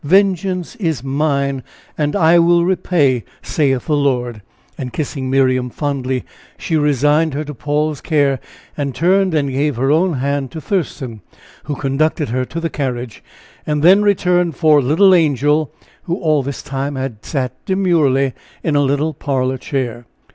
'Vengeance is mine, and I will repay, saith the Lord.'" And kissing Miriam fondly; she resigned her to Paul's care, and turned, and gave her own hand to Thurston, who conducted her to the carriage, and then returned for little Angel, who all this time had sat demurely in a little parlor chair.